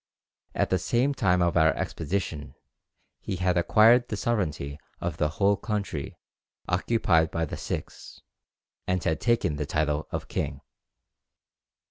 At the time of our expedition, he had acquired the sovereignty of the whole country occupied by the Sikhs, and had taken the title of king."